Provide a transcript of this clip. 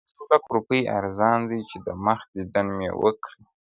په یو لک روپۍ ارزان دی چي د مخ دیدن مي وکړې؛